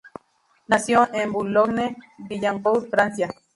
Nació en Boulogne-Billancourt, Francia.